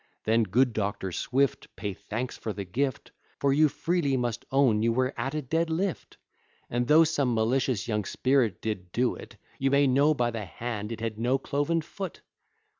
Then, good Doctor Swift Pay thanks for the gift, For you freely must own you were at a dead lift; And, though some malicious young spirit did do't, You may know by the hand it had no cloven foot.